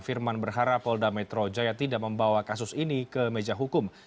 firman berharap polda metro jaya tidak membawa kasus ini ke meja hukum